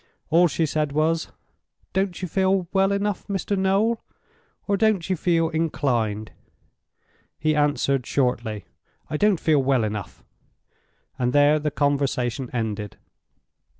All she said was, "Don't you feel well enough, Mr. Noel? or don't you feel inclined?" He answered, shortly, "I don't feel well enough"; and there the conversation ended.